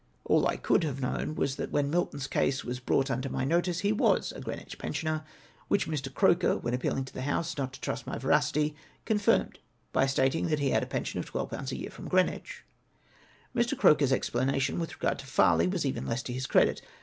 All I could have known was, that when Milton's case was brought under my notice he was a Greenwich pensioner, which Mr. Croker, when appeahng to the House not to trust my veracity, con firmed by stating " that he had a jwusiou of 121. a year from Greenwich !" Mr. Croker's explanation with regard to Farley was even less to his credit.